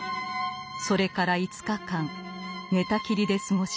それから５日間寝たきりで過ごします。